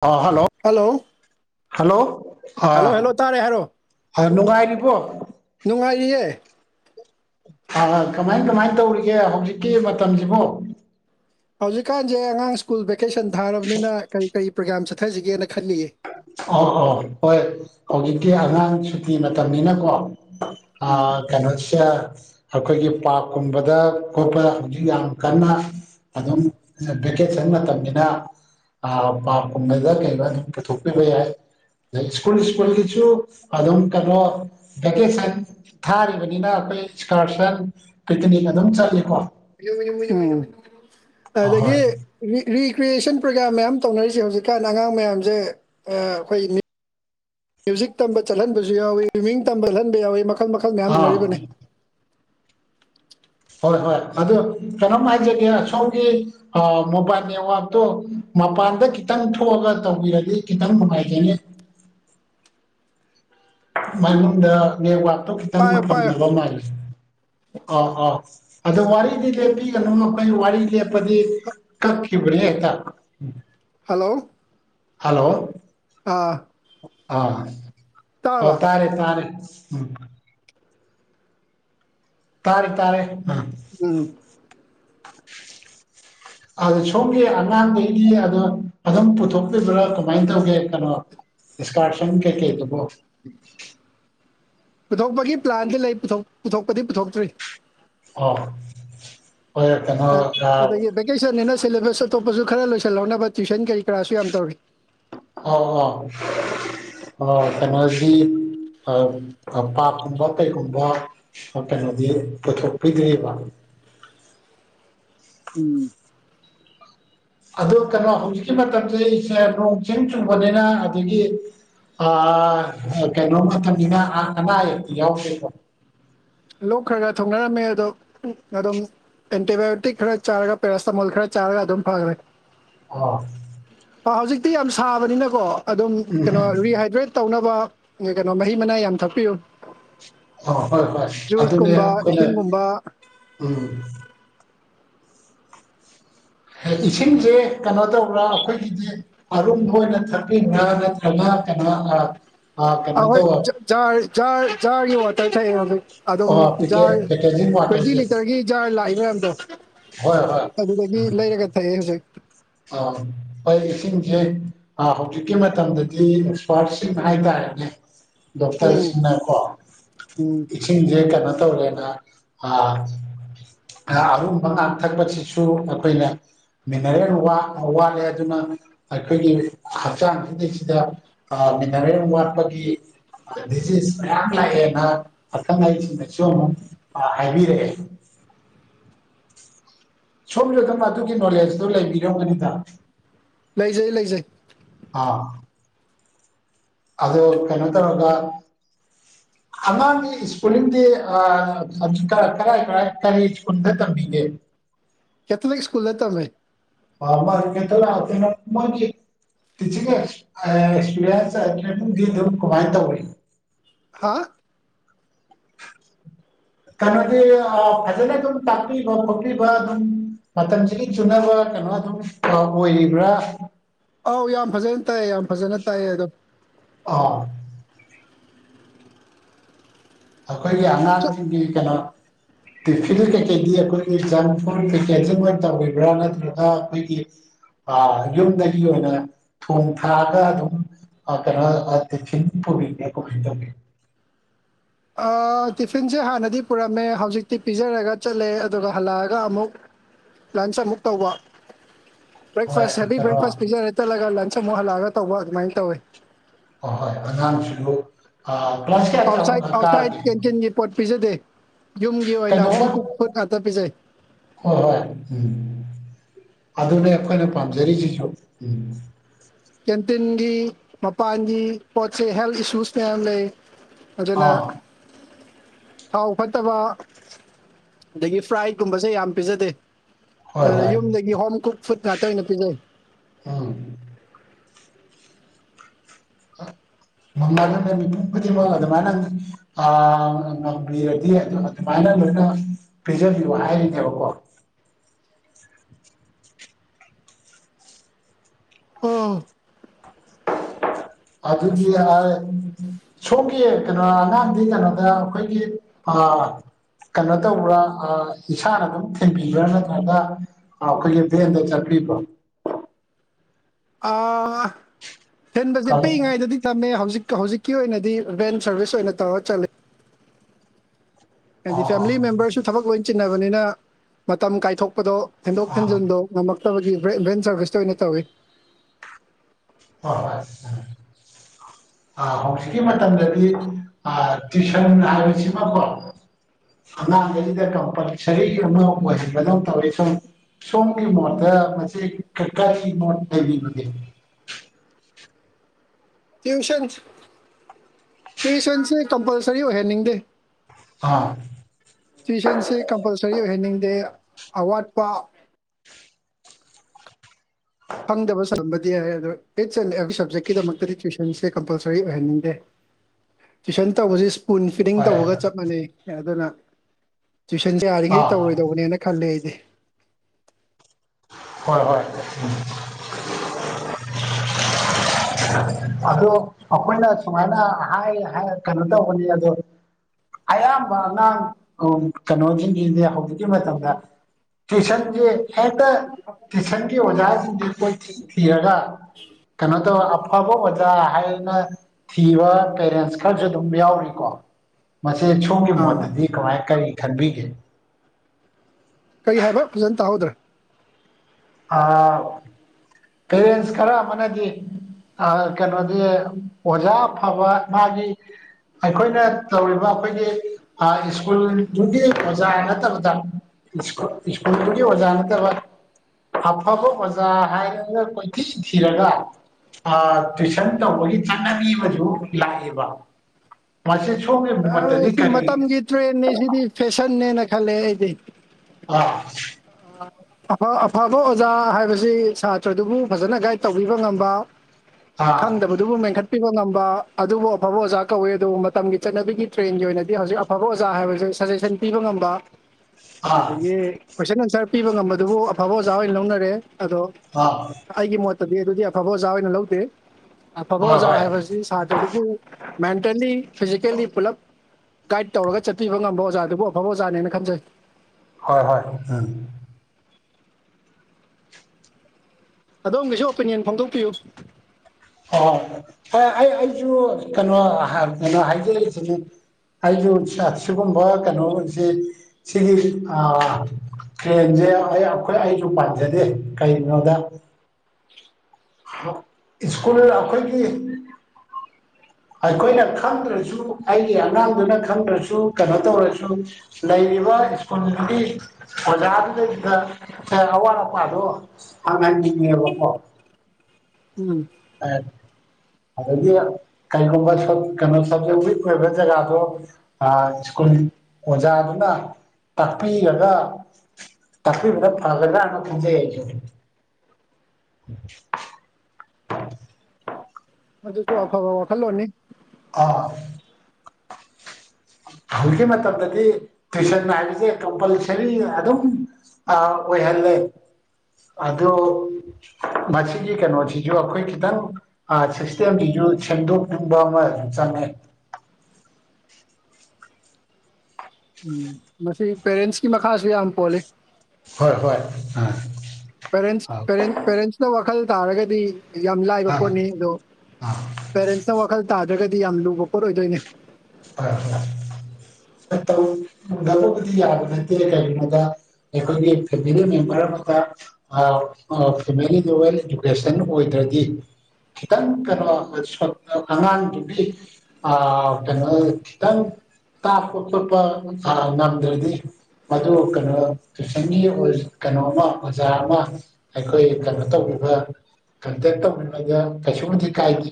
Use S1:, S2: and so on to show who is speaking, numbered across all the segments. S1: ꯑ hello
S2: hello
S1: hello ꯑ
S2: hello hello ꯇꯥꯔꯦ ꯍꯥꯏꯔꯣ
S1: ꯍ ꯅꯨꯡꯉꯥꯏꯔꯤꯕꯣ
S2: ꯅꯨꯡꯉꯥꯏꯔꯤꯌꯦ
S1: ꯑ ꯀꯃꯥꯏ ꯀꯃꯥꯏꯅ ꯇꯧꯔꯤꯒꯦ ꯍꯧꯖꯤꯛꯀꯤ ꯃꯇꯝꯖꯤꯕꯨ
S2: ꯍꯧꯖꯤꯛꯀꯥꯟꯁꯦ ꯑꯉꯥꯡ ꯁ꯭ꯀꯨꯜ ꯚꯦꯀꯦꯁꯟ ꯊꯥꯔꯕꯅꯤꯅ ꯀꯔꯤ ꯀꯔꯤ ꯄ꯭ꯔꯣꯒꯥ꯭ꯔꯥꯝ ꯆꯠꯊꯁꯤꯒꯦꯅ ꯈꯟꯂꯤꯌꯦ
S1: ꯑꯧ ꯑꯧ ꯍꯣꯏ ꯍꯧꯖꯤꯛꯇꯤ ꯑꯉꯥꯡ ꯁꯨꯇꯤ ꯃꯇꯝꯅꯤꯅꯀꯣ ꯑ
S2: ꯎꯝ
S1: ꯀꯩꯅꯣꯁꯦ ꯑꯩꯈꯣꯏꯒꯤ ꯄꯥꯔꯛꯀꯨꯝꯕꯗ ꯀ‌ꯣꯕ ꯍꯧꯖꯤꯛ ꯌꯥꯝ ꯀꯟꯅ ꯑꯗꯨꯝ ꯚꯦꯀꯦꯁꯟ ꯃꯇꯝꯅꯤꯅ ꯑꯥ ꯄꯥꯔ꯭ꯛ ꯀꯨꯝꯕꯗ ꯀꯩꯗ ꯑꯗꯨ ꯄꯨꯊꯣꯛꯄꯤꯕ ꯌꯥꯏ ꯍ‌ꯦ ꯁ꯭ꯀꯨꯜ ꯁ꯭ꯀꯨꯜ ꯒꯤꯁꯨ ꯑꯗꯨꯝ ꯀꯩꯅꯣ ꯚꯦꯀꯦꯁꯟ ꯊꯥꯔꯤꯕꯅꯤꯅ ꯑꯩꯈꯣꯏ ꯑꯦꯛꯁꯀꯔꯁꯟ ꯄꯤꯛꯅꯤꯛ ꯑꯗꯨꯝ ꯆꯠꯂꯤꯀꯣ
S2: [unintelligible]
S1: ꯑꯥ ꯍꯣꯏ
S2: ꯑꯗꯒꯤ ꯔꯤ ꯔꯤꯀ꯭ꯔꯤꯌꯦꯁꯟ ꯄ꯭ꯔꯣꯒ꯭ꯔꯥꯝ ꯃꯌꯥꯝ ꯇꯧꯅꯩꯁꯦ ꯍꯧꯖꯤꯛꯀꯥꯟ ꯑꯉꯥꯡ ꯃꯌꯥꯝꯖ‌ꯦ ꯑ ꯑꯩꯈꯣꯏ ꯃꯤ ꯃ꯭ꯌꯨꯖꯤꯛ ꯇꯝꯕ ꯆꯠꯍꯟꯕꯁꯨ ꯌꯥꯎꯏ ꯁ꯭ꯋꯤꯝꯃꯤꯡ ꯇꯝꯕ ꯆꯠꯍꯟꯕ ꯌꯥꯎꯋꯤ ꯃꯈꯜ ꯃꯈꯜ ꯃꯌꯥꯝ
S1: ꯑꯥ
S2: ꯇꯧꯅꯔꯤꯗꯨꯅꯤ
S1: ꯍꯣꯏ ꯍꯣꯏ ꯑꯗꯨ ꯀꯩꯅꯣꯝ ꯍꯥꯏꯖꯒꯦꯅꯥ ꯁꯣꯝꯒꯤ ꯑꯥ ꯃꯣꯕꯥꯏꯜ ꯅꯦꯠꯋꯥꯛꯇꯣ ꯃꯄꯥꯟꯗ ꯈꯤꯇꯪ ꯊꯣꯛꯑꯒ ꯇꯧꯕꯤꯔꯗꯤ ꯈꯤꯇꯪ ꯅꯨꯡꯉꯥꯏꯖꯅꯤ ꯃꯉꯨꯝꯗ ꯅꯦꯠꯋꯥꯛꯇꯣ ꯈꯤꯇꯪ
S2: ꯄꯥꯏꯌꯣ ꯄꯥꯏꯌꯣ
S1: ꯐꯪꯗꯕ ꯃꯥꯂꯦ ꯑꯥꯎ ꯑꯥ ꯑꯗꯨ ꯋꯥꯔꯤꯗꯤ ꯂꯦꯞꯄꯤꯒꯅꯨ ꯑꯩꯈꯣꯏ ꯋꯥꯔꯤ ꯂ‌ꯦꯞ ꯄꯗꯤ ꯀꯛꯈꯤꯕꯅ‌ꯦ ꯍ‌‌ꯦꯛꯇ
S2: ꯍꯜꯂꯣ
S1: ꯍꯜꯂꯣ
S2: ꯑꯥ
S1: ꯑꯥ ꯑꯣ
S2: ꯇꯥꯔꯕ
S1: ꯇꯥꯔꯦ ꯇꯥꯔꯦ ꯎꯝ ꯇꯥꯔꯦ ꯇꯥꯔꯦ
S2: ꯎꯝ
S1: [inaudible] ꯑꯗ ꯁꯣꯝꯒꯤ ꯑꯉꯥꯡꯒꯩꯗꯤ ꯑꯗꯣ ꯑꯗꯨꯝ ꯄꯨꯊꯣꯛꯄꯤꯕ꯭ꯔꯥ ꯀꯃꯥꯏ ꯇꯧꯒꯦ ꯀꯩꯅꯣ ꯏꯁꯀꯥꯔꯁꯟ ꯀꯩ ꯀꯩꯇꯕꯣ
S2: ꯄꯨꯊꯣꯛꯄꯒꯤ ꯄ꯭ꯂꯥꯟꯗꯤ ꯂꯩ ꯄꯨꯊ‌ꯣꯛ ꯄꯨꯊꯣꯛꯄꯗꯤ ꯄꯨꯊꯣꯛꯇ꯭ꯔꯤ
S1: ꯑꯣ ꯍꯣꯏ
S2: ꯑꯥ ꯑꯗꯒꯤ ꯚꯦꯀꯦꯁꯟꯅꯤꯅ ꯁꯤꯂꯦꯕꯁ ꯑꯇꯣꯞꯄꯁꯨ ꯈꯔ ꯂꯣꯏꯁꯤꯜꯍꯧꯅꯕ ꯇꯨꯏꯁꯟ ꯀꯔꯤ ꯀꯔꯥꯁꯨ ꯌꯥꯝ ꯇꯧꯔꯤ
S1: [unintelligible] ꯍꯥꯎ ꯑꯥ ꯀꯩꯅꯣꯗꯤ [unintelligible] ꯀꯨꯝꯕ ꯀꯩꯒꯨꯝꯕ [unintelligible] ꯀꯩꯅꯣꯗꯤ ꯄꯨꯊꯣꯛꯄꯤꯗ꯭ꯔꯤꯕ
S2: ꯎꯝ
S1: ꯑꯗꯨ ꯀꯩꯅꯣ ꯍꯧꯖꯤꯛꯀꯤ ꯃꯇꯝꯁꯦ ꯑꯩꯁꯦ ꯅꯣꯡ ꯆꯤꯡ ꯆꯨꯕꯅꯤꯅ ꯑꯗꯒꯤ ꯑꯥ ꯀꯩꯅꯣ ꯃꯇꯝꯅꯤꯅ ꯑ ꯑꯅꯥ ꯑꯌꯦꯛꯛꯇ ꯌꯥꯎꯗꯦꯀꯣ
S2: ꯂꯣꯛ ꯈꯔꯥ ꯈꯔꯥ ꯊꯧꯅꯔꯝꯃꯦ ꯑꯗꯣ ꯑꯗꯨꯝ ꯑꯦꯟꯇꯤꯕꯥꯏꯌꯣꯇꯤꯛ ꯈꯔ ꯆꯥꯔꯒ ꯄꯦꯔꯁꯇꯇꯥꯃꯣꯜ ꯈꯔ ꯆꯥꯔꯒ ꯑꯗꯨꯝ ꯐꯒꯔꯦ
S1: ꯑꯣ
S2: ꯍꯧꯖꯤꯛꯇꯤ ꯌꯥꯝ ꯁꯥꯕꯅꯤꯅꯀꯣ ꯑꯗꯨꯝ ꯀꯩꯅꯣ ꯔꯤꯍꯥꯏꯗ꯭ꯔꯦꯠ ꯇꯧꯅꯕ ꯀꯩꯅꯣ ꯃꯍꯤ ꯃꯅꯥꯏ ꯌꯥꯝ ꯊꯛꯄꯤꯌꯨ
S1: ꯑꯥ ꯍꯣꯏ ꯍꯣꯏ ꯑꯗꯨꯅ
S2: ꯖꯨꯁꯀꯨꯝꯕ
S1: ꯑꯩꯈꯩꯅ
S2: ꯏꯁꯤꯡꯒꯨꯝꯕ
S1: ꯎꯝ ꯏꯁꯤꯡꯖꯦ ꯀꯩꯅꯣ ꯇꯧꯕ꯭ꯔꯥ ꯑꯩꯈꯣꯏꯒꯤꯗꯤ ꯑꯔꯨꯝꯕ ꯑꯣꯏꯅ ꯊꯛꯄꯤꯕ꯭ꯔꯥ ꯅꯠꯇ꯭ꯔꯒ ꯀꯅꯥ
S2: ꯑꯍꯣꯏ ꯖꯥꯔ ꯖꯥꯔ ꯖꯥꯔꯒꯤ ꯋꯥꯠ ꯐꯩ ꯐꯩ ꯑꯗꯨ ꯑꯗꯨꯝ
S1: ꯑꯣ ꯄꯦꯀꯦ
S2: ꯖꯥꯔ
S1: ꯄꯦꯀꯦꯖꯤꯡ
S2: ꯇ꯭ꯋꯏꯟꯇꯤ
S1: ꯋꯥꯇꯔꯁꯦ
S2: ꯂꯤꯇꯔꯒꯤ ꯖꯥꯔ ꯂꯥꯛꯏ ꯃꯌꯥꯝꯗꯣ
S1: ꯍꯣꯏ ꯍꯣꯏ
S2: ꯑꯗꯨꯗꯒꯤ ꯂꯩꯔꯒ ꯊꯛꯑꯦ ꯍꯧꯖꯤꯛ
S1: ꯑꯥ ꯐꯩ ꯏꯁꯤꯡꯁꯦ ꯑꯥ ꯍꯧꯖꯤꯛꯀꯤ ꯃꯇꯝꯗꯗꯤ ꯑꯦꯛꯁꯄꯥꯔꯠꯁꯤꯡ ꯍꯥꯏꯇꯥꯔꯦꯅꯦ
S2: ꯎꯝ
S1: ꯗꯣꯛꯇꯔꯁꯤꯡꯅꯀꯣ
S2: ꯎꯝ
S1: ꯏꯁꯤꯡꯁꯦ ꯀꯩꯅꯣ ꯇꯧꯔꯦꯅ ꯑꯥ ꯑꯥ ꯑꯔꯨꯝꯕ ꯉꯥꯛ ꯊꯛꯄꯁꯤꯁꯨ ꯑꯩꯈꯣꯏꯅ ꯃꯤꯅꯔꯦꯜ ꯋꯥꯠꯂꯦ ꯑꯗꯨꯅ ꯑꯩꯈꯣꯏꯒꯤ ꯍꯛꯆꯥꯡꯁꯤꯗꯩꯁꯤꯗ ꯑꯥ ꯃꯤꯅꯔꯦꯜ ꯋꯥꯠꯄꯒꯤ ꯑꯥ ꯗꯤꯖꯤꯁ ꯃꯌꯥꯝ ꯂꯥꯛꯑꯦꯅ ꯑꯈꯪꯁꯤꯡꯅꯁꯨ ꯑꯃꯨꯛ ꯍꯥꯏꯕꯤꯔꯛꯑꯦ ꯁꯣꯝꯗꯒ ꯑꯗꯨꯒꯤ ꯅꯣꯂꯦꯖꯇꯣ ꯂꯩꯕꯤꯔꯝꯒꯅꯤꯗ
S2: ꯂꯩꯖꯩ ꯂꯩꯖꯩ
S1: ꯑꯥ ꯑꯗꯣ ꯀꯩꯅꯣ ꯇꯧꯔꯒ ꯑꯉꯥꯡꯒꯤ ꯁ꯭ꯀꯨꯜꯂꯤꯡꯗꯤ ꯑꯥ ꯀꯔꯥ ꯀꯔꯥꯏ ꯀꯔꯤ ꯁ꯭ꯀꯨꯜꯗ ꯇꯝꯕꯤꯒꯦ
S2: ꯀꯦꯊꯣꯂꯤꯛ ꯁꯀꯨꯜꯗ ꯇꯝꯃꯦ
S1: ꯃꯥꯃ ꯑꯗꯨꯛꯦꯇꯅꯅ ꯃꯥ [unintelligible] ꯇꯤꯆꯤꯡ ꯑꯦꯛꯁꯄꯤꯔꯤꯌꯦꯟꯁ ꯍꯥꯏ ꯀꯃꯥꯏ ꯇꯧꯔꯤ
S2: ꯍꯥ
S1: ꯀꯩꯅꯣꯗꯤ ꯑꯥ ꯐꯖꯅ ꯑꯗꯨꯝ ꯇꯥꯛꯄꯤꯕ ꯈꯣꯠꯄꯤꯕ ꯑꯗꯨꯝ ꯃꯇꯝꯁꯤꯒꯤ ꯆꯨꯅꯕ ꯀꯩꯅꯣ ꯑꯗꯨꯝ ꯑꯣꯏꯔꯤꯕ꯭ꯔꯥ
S2: ꯑꯧ ꯌꯥꯝ ꯐꯖꯅ ꯇꯥꯏꯌꯦ ꯌꯥꯝ ꯐꯖꯅ ꯇꯥꯏꯌꯦ ꯑꯗꯨꯝ
S1: ꯑꯥ ꯑꯩꯈꯣꯏꯒꯤ ꯑꯉꯥꯡꯖꯤꯡꯒꯤ ꯀꯩꯅꯣ ꯇꯤꯐꯤꯟꯗ ꯀꯩꯀꯩꯗꯤ ꯑꯩꯈꯣꯏꯒꯤ ꯖꯝ ꯐꯨꯗ ꯀꯩꯀꯩꯁꯤ ꯂꯣꯏ ꯇꯧꯕ꯭ꯔꯥ ꯅꯠꯇ꯭ꯔꯒ ꯑꯩꯈꯣꯏꯒꯤ [unintelligible] ꯑꯥ ꯌꯨꯝꯗꯒꯤ ꯑꯣꯏꯅ ꯊꯣꯡ ꯊꯥꯛꯑꯒ ꯑꯗꯨꯝ ꯑꯥ ꯀꯩꯅꯣ ꯇꯤꯐꯤꯟ ꯄꯨ
S2: ꯇꯤꯐꯤꯟꯁꯦ ꯍꯥꯟꯅꯗꯤ ꯄꯨꯔꯝꯃꯦ ꯍꯧꯖꯤꯛꯇꯤ ꯄꯤꯖꯔꯒ ꯆꯠꯂꯦ ꯑꯗꯨꯒ ꯍꯜꯂꯛꯑꯒ ꯑꯃꯨꯛ ꯂꯟꯁ ꯑꯃꯨꯛ ꯇꯧꯕ
S1: ꯍꯣꯏ
S2: ꯕ꯭ꯔꯦꯛꯐꯥꯁ ꯍꯦꯕꯤ
S1: ꯀꯩꯅꯣ
S2: ꯕ꯭ꯔꯦꯛꯐꯥꯁ ꯄꯤꯖꯥꯗꯦ ꯆꯠꯂꯒ ꯂꯟ ꯑꯃꯨꯛ ꯍꯜꯂꯛꯑꯒ ꯇꯧꯕ ꯑꯗꯨꯃꯅ ꯇꯧꯋꯦ
S1: ꯑꯣ ꯍꯣꯏ ꯍꯣꯏ ꯑꯉꯥꯡꯁꯨ ꯀ꯭ꯂ꯭ꯥꯁ ꯀꯌꯥ ꯀꯌꯥꯃꯨꯛ
S2: ꯑꯥꯎꯠꯁꯥꯏꯠ ꯑꯥꯎꯠꯁꯥꯏꯠ
S1: ꯀꯥꯔꯒꯦ
S2: ꯀꯦꯟꯇꯤꯟꯒꯤ ꯄꯣꯠ ꯄꯤꯖꯗꯦ ꯌꯨꯝꯒꯤ ꯑꯣꯏꯅ ꯍꯣꯝ
S1: ꯀꯩꯗꯧꯕ
S2: ꯀꯨꯛ ꯐꯨꯗ ꯉꯥꯛꯇ ꯄꯤꯖꯩ
S1: ꯍꯣꯏ ꯍꯣꯏ ꯎꯝ ꯑꯗꯨꯅꯦ ꯑꯩꯈꯣꯏꯅ ꯄꯥꯝꯖꯔꯤꯁꯤꯁꯨ ꯎꯝ
S2: ꯀꯦꯟꯇꯤꯟꯒꯤ ꯃꯄꯥꯟꯒꯤ ꯄꯣꯠ ꯆꯩꯩ ꯍꯦꯜꯊ ꯏꯁꯨꯁ ꯃꯌꯥꯝ ꯂꯩ ꯑꯗꯨꯅ
S1: ꯑꯥ
S2: ꯊꯥꯎ ꯐꯠꯇꯕ ꯑꯗꯒꯤ ꯐ꯭ꯔꯥꯏꯠ ꯀꯨꯝꯕꯁꯦ ꯌꯥꯝꯅ ꯄꯤꯖꯗꯦ
S1: ꯍꯣꯏ
S2: ꯑꯗꯨꯅ
S1: ꯍꯣꯏ
S2: ꯌꯨꯝꯗꯒꯤ ꯍꯣꯝ ꯀꯨꯛ ꯐꯨꯗ ꯉꯥꯛꯇ ꯑꯣꯏꯅ ꯄꯤꯅꯩ
S1: ꯑꯥ ꯃꯥꯃꯥꯅ ꯍꯥꯏ ꯃꯤ ꯈꯨꯗꯤꯡꯃꯛ ꯑꯗꯨꯃꯥꯏꯅ [unintelligible] ꯑꯥ ꯉꯝꯕꯤꯔꯗꯤ ꯑꯗꯨꯃꯥꯏꯅ ꯂꯣꯏꯅ ꯄꯤꯖꯕꯤꯌꯨ ꯍꯥꯏꯔꯤꯅꯦꯕꯀꯣ
S2: ꯎꯝ
S1: ꯑꯗꯨꯗꯤ ꯍꯥꯏ ꯁꯣꯝꯒꯤ ꯀꯩꯅꯣ ꯑꯉꯥꯡꯗꯤ ꯀꯩꯅꯣꯗ ꯑꯩꯈꯣꯏꯒꯤ ꯑꯥ ꯀꯩꯅꯣ ꯇꯧꯕ꯭ꯔꯥ ꯑꯥ ꯏꯁꯥꯅ ꯑꯗꯨꯝ ꯊꯤꯟꯕꯤꯕ꯭ꯔꯥ ꯅꯠꯇ꯭ꯔꯒ ꯑꯥ ꯑꯩꯈꯣꯏꯒꯤ ꯚꯦꯟꯗ ꯆꯠꯄꯤꯕ꯭ꯔꯥ
S2: ꯑꯥ ꯊꯤꯟꯕꯁꯦ
S1: ꯑꯣ
S2: ꯄꯤꯛꯏꯉꯩꯗꯗꯤ ꯊꯝꯃꯦ ꯍꯧꯖꯤꯛ ꯍꯧꯖꯤꯛꯀꯤ ꯑꯣꯏꯅꯗꯤ ꯚꯦꯟ ꯁꯔꯚꯤꯁ ꯑꯣꯏꯅ ꯇꯧꯔ ꯆꯠꯂꯦ ꯍꯥꯏꯗꯤ
S1: ꯑꯣ
S2: ꯐꯦꯃꯤꯂꯤ ꯃꯦꯝꯕꯔꯁꯨ ꯊꯕꯛ ꯂꯣꯏ ꯆꯤꯟꯅꯕꯅꯤꯅ ꯃꯇꯝ ꯀꯥꯏꯊꯣꯛꯄꯗꯣ ꯊꯤꯟꯗꯣꯛ
S1: ꯑꯥ
S2: ꯊꯤꯟꯖꯤꯟꯗꯣ ꯉꯝꯃꯛꯇꯕꯒꯤ ꯚꯦꯟ ꯁꯥꯔꯚꯤꯁꯁꯇ ꯑꯣꯏꯅ ꯇꯧꯏ
S1: [unintelligible] ꯍꯧꯖꯤꯛꯀꯤ ꯃꯇꯝꯗꯗꯤ ꯇꯨꯋꯏꯁꯟ ꯍꯥꯏꯕꯁꯤꯃꯀꯣ ꯑꯉꯥꯡꯒꯩꯗ ꯀꯝꯄꯜꯁꯔꯤ ꯑꯃ ꯑꯣꯏꯍꯟꯕꯗꯧꯅ ꯇꯧꯔꯤ ꯁꯨꯝ ꯁꯣꯝꯒꯤ ꯃꯣꯠꯇ ꯃꯁꯤ ꯀꯔꯤ ꯃꯣꯠ ꯂꯩꯕꯤꯕꯒ
S2: ꯇꯨꯋꯏꯁꯟꯁ ꯇꯨꯏꯁꯟꯁꯦ ꯀꯝꯄꯜꯁꯔꯤ ꯑꯣꯏꯍꯟꯅꯤꯡꯗꯦ
S1: ꯍꯥꯥ
S2: ꯇꯨꯋꯏꯁꯟꯁꯤ ꯀꯝꯄꯜꯁꯔꯤ ꯑꯣꯏꯍꯟꯅꯤꯡꯗꯦ ꯑꯋꯥꯠꯄ ꯈꯪꯗꯕ ꯁꯝꯕꯗꯤ ꯌꯥꯏ ꯑꯗꯣ ꯏꯠꯁ ꯑꯦꯟ ꯑꯦꯕ꯭ꯔꯤ ꯁꯞꯖꯦꯛꯀꯤꯗꯃꯛꯇ ꯇꯨꯋꯏꯁꯟꯁꯦ ꯀꯝꯄꯜꯁꯔꯤ ꯑꯣꯏꯍꯟꯅꯤꯡꯗꯦ
S1: [inaudible]
S2: ꯇꯨꯋꯏꯁꯟ ꯇꯧꯕꯁꯤ ꯁ꯭ꯄꯨꯟ ꯐꯤꯗꯤꯡ
S1: ꯍꯣꯏ
S2: ꯇꯧꯕꯒ ꯆꯞ ꯃꯥꯟꯅꯩ ꯑꯗꯨꯅ ꯇꯨꯋꯏꯁꯟꯖꯦ ꯌꯥꯔꯤꯈꯩ
S1: ꯑꯥ
S2: ꯇꯧꯔꯣꯏꯗꯧꯕꯅꯦꯅ ꯈꯜꯂꯦ ꯑꯩꯗꯤ
S1: ꯍꯣꯏ ꯍꯣꯏ ꯎꯝ ꯑꯗꯣ ꯑꯩꯈꯣꯏꯅ ꯁꯨꯃꯥꯏꯅ ꯍꯥꯏ ꯍꯥꯏ ꯀꯩꯅꯣ ꯇꯧꯕꯅꯤ ꯑꯗꯣ ꯑꯌꯥꯝꯕ ꯑꯉꯥꯡ ꯎꯝ ꯀꯩꯅꯣꯖꯤꯡꯖꯦ ꯍꯧꯖꯤꯛꯀꯤ ꯃꯇꯝꯗ ꯇꯨꯋꯏꯁꯟꯒꯤ ꯍꯦꯛꯇ ꯇꯨꯋꯏꯁꯟꯒꯤ ꯑꯣꯖꯥꯖꯤꯡꯖꯦ ꯀꯣꯏꯊꯤ ꯊꯤꯔꯒ ꯀꯩꯅꯣ ꯇꯧ ꯑꯐꯕ ꯑꯣꯖꯥ ꯍꯥꯏꯅ ꯊꯤꯕ [unintelligible] ꯈꯔꯖꯨ ꯑꯗꯨꯝ ꯌꯥꯎꯔꯤꯀꯣ ꯃꯁꯤ ꯁꯣꯝꯒꯤ
S2: ꯑꯥ
S1: ꯃꯣꯠꯇꯗꯤ ꯀꯃꯥꯏ ꯀꯔꯤ ꯈꯟꯕꯤꯒꯦ
S2: ꯀꯔꯤ ꯍꯥꯏꯕ ꯐꯥꯖꯅ ꯇꯥꯍꯧꯗ꯭ꯔꯦ
S1: ꯑꯥ ꯄꯦꯔꯦꯟꯁ ꯈꯔ ꯑꯃꯥꯅꯗꯤ ꯑꯥ ꯀꯩꯅꯣꯗꯤ ꯑꯣꯖꯥ ꯐꯕ ꯃꯥꯒꯤ ꯑꯩꯈꯣꯏꯅ ꯇꯧꯔꯤꯕ ꯑꯩꯈꯣꯏꯒꯤ ꯏꯁ꯭ꯀꯨꯜꯗꯨꯒꯤ ꯑꯣꯖꯥ ꯅꯠꯇꯕꯗ ꯨ ꯏꯁ꯭ꯀꯨꯜ ꯏꯁ꯭ꯀꯨꯜꯗꯨꯒꯤ ꯑꯣꯖꯥ ꯅꯠꯇꯕ ꯑꯐꯥꯕ ꯑꯣꯖꯥ ꯍꯥꯏꯔꯒ ꯀꯣꯏꯊꯤ ꯊꯤꯔꯒ ꯑꯥ ꯇꯨꯋꯏꯁꯟ ꯇꯧꯕꯒꯤ ꯆꯠꯅꯕꯤ ꯑꯃꯖꯨ ꯂꯥꯛꯑꯦꯕ ꯃꯁꯤ ꯁꯣꯝꯒꯤ
S2: ꯑꯥ,
S1: ꯃꯣꯠꯇꯗꯤ
S2: ꯁꯤ
S1: ꯀꯔꯤ
S2: ꯃꯇꯝꯒꯤ ꯇ꯭ꯔꯦꯟꯅꯤ ꯁꯤꯗꯤ ꯐꯦꯁꯟꯅꯦꯅ ꯈꯜꯂꯦ ꯑꯩꯗꯤ
S1: ꯑꯥ
S2: [inaudible] ꯑꯐ ꯑꯐꯕ ꯑꯣꯖꯥ ꯍꯥꯏꯕꯁꯤ ꯁꯥꯇ꯭ꯔꯗꯨꯕꯨ ꯐꯖꯅ ꯒꯥꯏꯠ ꯇꯧꯕꯤꯕ ꯉꯝꯕ
S1: ꯑꯥ
S2: ꯈꯪꯗꯕꯗꯨꯕꯨ ꯃꯦꯟꯈꯠꯄꯤꯕ ꯉꯝꯕ ꯑꯗꯨꯕꯨ ꯑꯐꯕ ꯑꯣꯖꯥ ꯀꯧꯋꯤ ꯑꯗꯨꯕꯨ ꯃꯇꯝꯒꯤ ꯆꯠꯅꯕꯤꯒꯤ ꯇ꯭ꯔꯦꯟꯒꯤ ꯑꯣꯏꯅꯗꯤ ꯍꯧꯖꯤꯛ ꯑꯐꯕ ꯑꯣꯖꯥ ꯍꯥꯏꯕꯁꯦ ꯁꯖꯦꯁꯟ ꯄꯤꯕ ꯉꯝꯕ
S1: ꯑꯥ
S2: ꯑꯗꯒꯤ ꯀꯣꯏꯁꯟ ꯑꯟꯁꯔ ꯄꯤꯕ ꯉꯝꯕꯗꯨꯕꯨ ꯑꯐꯕ ꯑꯣꯖꯥ ꯑꯣꯏꯅ ꯂꯧꯅꯔꯦ ꯑꯗꯣ
S1: ꯑꯥ꯫
S2: ꯑꯩꯒꯤ ꯃꯣꯠꯇꯗꯤ ꯑꯗꯨꯗꯤ ꯑꯐꯕ ꯑꯣꯖꯥ ꯑꯣꯏꯅ ꯂꯧꯗꯦ ꯑꯐꯕ
S1: ꯍꯣꯏ
S2: ꯑꯣꯖꯥ
S1: ꯍꯣꯏ
S2: ꯍꯥꯏꯕꯁꯤ ꯁꯥꯥꯇ꯭ꯔ ꯗꯨꯕꯨ ꯃꯦꯟꯇꯦꯜꯂꯤ ꯐꯤꯖꯤꯀꯦꯜꯂꯤ ꯄꯨꯂꯞ ꯒꯥꯏꯗ ꯇꯧꯔꯒ ꯆꯠꯄꯤꯕ ꯉꯝꯕ ꯑꯣꯖꯥꯗꯨꯕꯨ ꯑꯐꯕ ꯑꯣꯖꯥꯅꯦꯅ ꯈꯟꯖꯩ꯫
S1: ꯍꯣꯏ ꯍꯣꯏ ꯎꯝ꯫
S2: ꯑꯗꯣꯝꯒꯤꯁꯨ ꯑꯣꯄꯤꯅꯤꯌꯟ ꯐꯣꯡꯗꯣꯛꯄꯤꯌꯨ꯫
S1: ꯑꯣ ꯍꯣꯏ ꯑꯩ ꯑꯩꯁꯨ ꯀꯩꯅꯣ ꯍꯥ ꯀꯩꯅꯣ ꯍꯥꯏꯖꯔꯤꯁꯤꯅꯤ ꯑꯩꯁꯨ ꯁ ꯁꯤꯒꯨꯝꯕ ꯀꯩꯅꯣꯁꯤ ꯁꯤꯒꯤ ꯑ ꯇ꯭ꯔꯦꯟꯁꯦ ꯑꯩ ꯑꯩꯈꯣꯏ ꯑꯩꯁꯨ ꯄꯥꯝꯖꯗꯦ ꯀꯩꯒꯤꯅꯣꯗ- ꯁ꯭ꯀꯨꯜ ꯑꯩꯈꯣꯏꯒꯤ ꯑꯩꯈꯣꯏꯅ ꯈꯪꯗ꯭ꯔꯁꯨ ꯑꯩꯒꯤ ꯑꯉꯥꯡꯗꯨꯅ ꯈꯪꯗ꯭ꯔꯁꯨ ꯀꯩꯅꯣ ꯇꯧꯔꯁꯨ ꯂꯩꯔꯤꯕ ꯁ꯭ꯀꯨꯜꯗꯨꯒꯤ ꯑꯣꯖꯥꯗꯨꯗꯩꯗ ꯁꯥꯔ ꯑꯋꯥꯠ ꯑꯄꯥꯗꯣ ꯐꯪꯍꯟꯅꯤꯡꯉꯦꯕꯀꯣ꯫
S2: ꯎꯝ꯫
S1: ꯑ꯫ ꯑꯗꯒꯤ ꯀꯩꯒꯨꯝꯕ ꯁꯕ ꯀꯩꯅꯣ ꯁꯕꯖꯦꯛ ꯋꯤꯛ ꯑꯣꯏꯕ ꯖꯒꯥꯗꯣ ꯑꯥ ꯁ꯭ꯀꯨꯜ ꯑꯣꯖꯥꯗꯨꯅ ꯇꯥꯛꯄꯤꯔꯒ ꯇꯥꯛꯄꯤꯕꯅ ꯐꯒꯗ꯭ꯔꯅ ꯈꯟꯖꯩ ꯑꯩꯁꯨ꯫ ꯑ
S2: ꯑꯗꯨꯁꯨ ꯑꯐꯕ ꯋꯥꯈꯜꯂꯣꯟꯅꯤ꯫
S1: ꯑꯥ꯫ ꯍꯧꯖꯤꯛꯀꯤ ꯃꯇꯝꯗꯗꯤ ꯇꯨꯏꯁꯟ ꯍꯥꯏꯕꯁꯦ ꯀꯝꯄꯜꯁꯔꯤ ꯑꯗꯨꯝ ꯑ ꯑꯣꯏꯍꯜꯂꯦ ꯑꯗꯨ ꯃꯁꯤꯒꯤ ꯀꯩꯅꯣꯁꯤꯁꯨ ꯑꯩꯈꯣꯏ ꯈꯤꯇꯪ ꯑ ꯁꯤꯁꯇꯦꯝꯁꯤꯁꯨ ꯁꯦꯝꯗꯣꯛꯅꯤꯡꯕ ꯑꯃ ꯑꯗꯨꯝ ꯆꯪꯉꯦ꯫
S2: ꯎꯝ꯫ ꯃꯁꯤ ꯄꯦꯔꯦꯟꯁꯀꯤ ꯃꯈꯥꯁꯨ ꯌꯥꯝ ꯄꯣꯜꯂꯤ꯫
S1: ꯍꯣꯏ ꯍꯣꯏ ꯑꯥ꯫
S2: ꯄꯦꯔꯦꯟꯁ
S1: ꯑꯥ
S2: ꯄꯦꯔꯦꯟ ꯄꯦꯔꯦꯟꯁꯅ ꯋꯥꯈꯜ ꯇꯥꯔꯒꯗꯤ ꯌꯥꯝ ꯂꯥꯏꯕ
S1: ꯑꯥ
S2: ꯄꯣꯠꯅꯤ ꯑꯗꯨ
S1: ꯑꯥ
S2: ꯄꯦꯔꯦꯟꯁꯅ ꯋꯥꯈꯜ ꯇꯥꯗ꯭ꯔꯒꯗꯤ ꯌꯥꯝ ꯂꯨꯕ ꯄꯣꯠ ꯑꯣꯏꯗꯣꯏꯅꯦ꯫
S1: ꯍꯣꯏ ꯍꯣꯏ ꯈꯔ ꯇꯧꯗꯕꯕꯨꯗꯤ ꯌꯥꯕ ꯅꯠꯇꯦ ꯀꯩꯒꯤꯅꯣꯗ ꯑꯩꯈꯣꯏꯒꯤ ꯐꯦꯃꯤꯂꯤ ꯃꯦꯝꯕꯔ ꯑꯃꯗ ꯑꯥ ꯑ ꯐꯦꯃꯤꯂꯤꯗ ꯋꯦꯜ ꯏꯗꯨꯀꯦꯁꯟ ꯑꯣꯏꯗ꯭ꯔꯗꯤ ꯈꯤꯇꯪ ꯀꯩꯅꯣ ꯁꯣꯠ ꯑꯉꯥꯡꯗꯨꯒꯤ ꯑꯥ ꯀꯩꯅꯣ ꯈꯤꯇꯪ ꯇꯥꯛꯄ ꯈꯣꯠꯄ ꯑ ꯉꯝꯗ꯭ꯔꯗꯤ ꯃꯗꯨ ꯀꯩꯅꯣ ꯇꯨꯏꯁꯟꯒꯤ ꯑꯣ ꯀꯩꯅꯣꯃ ꯑꯣꯖꯥ ꯑꯃ ꯑꯩꯈꯣꯏ ꯀꯩꯅꯣ ꯇꯧꯕꯤꯕ ꯀꯟꯇꯦꯛ ꯇꯧꯕꯤꯕꯗ ꯀꯩꯁꯨꯕꯨꯗꯤ ꯀꯥꯏꯗꯦ꯫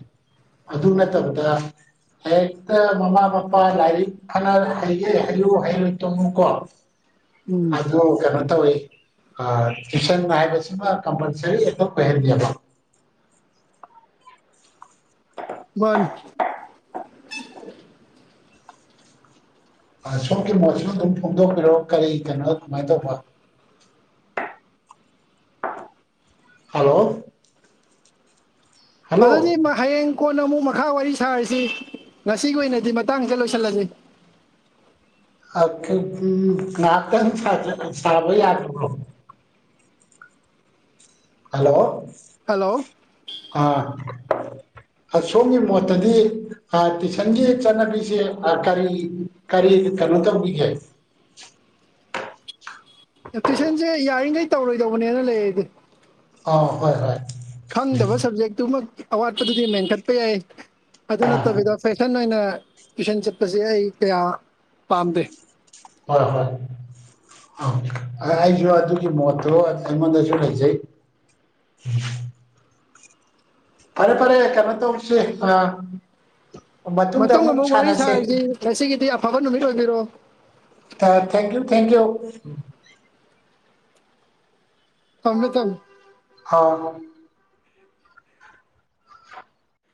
S1: ꯑꯗꯨ ꯅꯠꯇꯕꯗ ꯍꯦꯛ ꯇ ꯃꯃꯥ ꯃꯄꯥ ꯂꯥꯏꯔꯤꯛ ꯐꯅ ꯍꯩꯒꯦ ꯍꯩꯌꯨ ꯍꯩꯔꯣꯏ ꯇꯣꯛꯎ ꯀꯣ꯫
S2: ꯎꯝ
S1: ꯑꯗꯨ ꯀꯩꯅꯣ ꯇꯧꯏ꯫ ꯑ ꯇꯨꯏꯁꯟ ꯍꯥꯏꯕꯁꯤꯃ ꯀꯝꯄꯜꯁꯔꯤ ꯑꯗꯨꯝ ꯑꯣꯏꯍꯟꯂꯦꯕ
S2: ꯋꯥꯟ
S1: ꯑ ꯁꯣꯝꯒꯤ ꯃꯣꯠꯁꯤꯁꯨ ꯑꯗꯨꯝ ꯐꯣꯡꯗꯣꯛꯄꯤꯔꯛꯑꯣ ꯀꯔꯤ ꯀꯩꯅꯣ ꯀꯃꯥꯏꯅ ꯇꯧꯕ ꯍꯜꯂꯣ ꯍꯜꯂꯣ
S2: ꯑꯗꯨꯗꯤ ꯃ ꯍꯌꯦꯡ ꯀꯣꯟꯅ ꯑꯃꯨꯛ ꯃꯈꯥ ꯋꯥꯔꯤ ꯁꯥꯔꯁꯤ ꯉꯁꯤꯒꯤ ꯑꯣꯏꯅꯗꯤ ꯃꯇꯥꯡꯁꯤꯗ ꯂꯣꯏꯁꯤꯜꯂꯖꯤ
S1: [unintelligible] ꯉꯍꯥꯛꯇꯪ ꯁꯥꯖ ꯁꯥꯕ ꯌꯥꯔꯤꯕ꯭ꯔꯣ ꯍꯜꯂꯣ
S2: ꯍꯜꯂꯣ
S1: ꯑꯥ ꯁꯣꯝꯒꯤ ꯃꯣꯠꯇꯗꯤ ꯑ ꯇꯨꯏꯁꯟꯒꯤ ꯆꯠꯅꯕꯤꯁꯦ ꯑ ꯀꯔꯤ ꯀꯔꯤ ꯀꯩꯅꯣ ꯇꯧꯕꯤꯒꯦ
S2: ꯑ ꯇꯨꯏꯁꯟꯁꯦ ꯌꯥꯔꯤꯒꯩ ꯇꯧꯔꯣꯏꯗꯧꯕꯅꯦꯅ ꯂꯩ ꯑꯩꯗꯤ
S1: ꯑꯥ ꯍꯣꯏ ꯍꯣꯏ
S2: ꯈꯪꯗꯕ ꯁꯕꯖꯦꯛꯇꯨꯃꯛ ꯑꯋꯥꯠꯄꯗꯨꯗꯤ ꯃꯦꯟꯈꯠꯄ ꯌꯥꯏ ꯑꯗꯨ
S1: ꯎꯝ ꯑꯥ
S2: ꯅꯠꯇꯕꯤꯗ ꯐꯦꯁꯟ ꯑꯣꯏꯅ ꯇꯨꯏꯁꯟ ꯆꯠꯄꯁꯦ ꯑꯩ ꯀꯌꯥ ꯄꯥꯝꯗꯦ
S1: ꯍꯣꯏ ꯍꯣꯏ ꯑꯪ ꯑ ꯩꯁꯨ ꯑꯗꯨꯒꯤ ꯃꯣꯠꯇꯣ ꯑꯩꯉꯣꯟꯗꯖꯨ ꯂꯩꯖꯩ [unintelligible] ꯐꯔꯦ ꯐꯔꯦ ꯀꯩꯅꯣ ꯇꯧꯁꯦ ꯑꯥ
S2: ꯃꯇꯨꯡ ꯑꯃꯨꯛ ꯋꯥꯔꯤ ꯁꯥꯔꯖꯤ ꯉꯁꯤꯒꯤꯗꯤ ꯑꯐꯕ ꯅꯨꯃꯤꯠ ꯑꯣꯏꯕꯤꯔꯣ
S1: ꯑ ꯊꯦꯡꯀ꯭ꯌꯨ ꯊꯦꯡꯀ꯭ꯌꯨ
S2: ꯊꯝꯃꯦ ꯊꯝꯃꯦ
S1: ꯍꯥꯎ